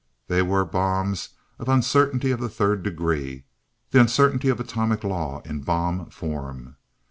They were bombs of "Uncertainty of the Third Degree," the Uncertainty of atomic law in bomb form.